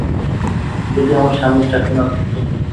যদি আমার স্বামীর চাকরি না থাকত।